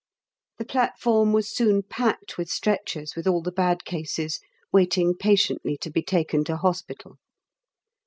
The platform was soon packed with stretchers with all the bad cases waiting patiently to be taken to Hospital.